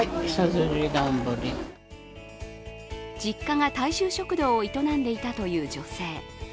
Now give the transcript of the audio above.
実家が大衆食堂を営んでいたという女性。